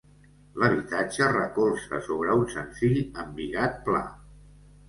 L'habitatge recolza sobre un senzill embigat pla.